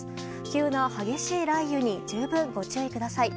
急な激しい雷雨に十分ご注意ください。